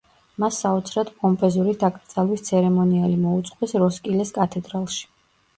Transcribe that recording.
მას საოცრად პომპეზური დაკრძალვის ცერემონიალი მოუწყვეს როსკილეს კათედრალში.